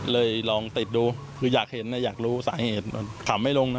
ลองติดดูคืออยากเห็นนะอยากรู้สาเหตุถามไม่ลงนะ